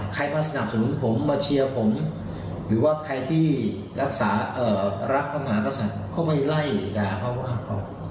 ใครมาสนับสนุนผมมาเชียร์ผมหรือว่าใครที่รักเข้ามาก็สามารถเข้าไปไล่ด่าเข้ามาว่า